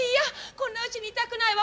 こんなうちにいたくないわ。